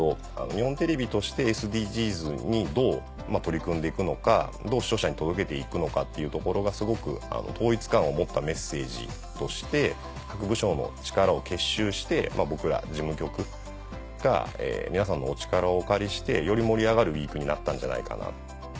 日本テレビとしてＳＤＧｓにどう取り組んでいくのかどう視聴者に届けていくのかっていうところがすごく統一感を持ったメッセージとして各部署の力を結集して僕ら事務局が皆さんのお力をお借りしてより盛り上がるウィークになったんじゃないかな。